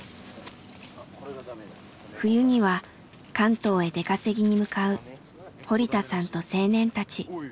冬には関東へ出稼ぎに向かう堀田さんと青年たち。